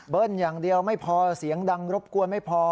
อย่างเดียวไม่พอเสียงดังรบกวนไม่พอ